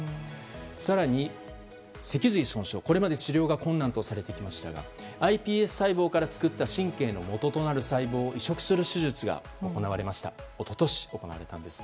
更に、脊髄損傷はこれまで治療が困難とされていましたがｉＰＳ細胞から作った神経のもととなる細胞を移植する手術が一昨年、行われたんです。